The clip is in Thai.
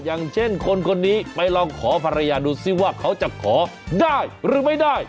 อย่างเช่นคนคนนี้ไปลองขอภรรยาดูซิว่าเขาจะขอได้หรือไม่ได้